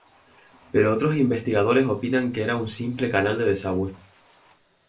Pero otros investigadores opinan que era un simple canal de desagüe.